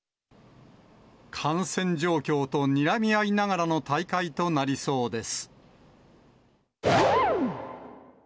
感染状況とにらみ合いながらの大会となりそうです。